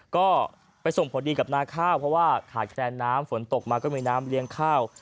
ก็ไปส่งผลดีกับนาข้าวเพราะว่าขาดแคลนน้ำฝนตกมาก็มีน้ำเลี้ยงข้าว